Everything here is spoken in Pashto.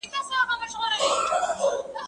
زه اجازه لرم چي موبایل کار کړم؟!